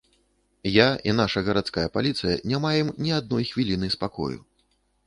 Я і наша гарадская паліцыя не маем ні адной хвіліны спакою.